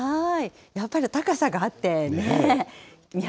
やっぱり高さがあってね。